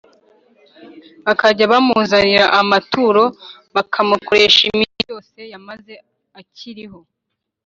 bakajya bamuzanira amaturo, bakamukorera iminsi yose yamaze akiriho